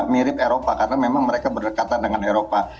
mirip eropa karena memang mereka berdekatan dengan eropa